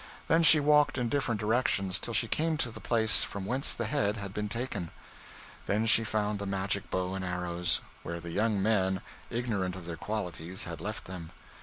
Then she walked in different directions, till she came to the place from whence the head had been taken. Then she found the magic bow and arrows, where the young men, ignorant of their qualities, had left them.